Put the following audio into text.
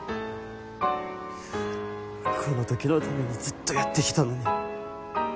このときのためにずっとやってきたのに。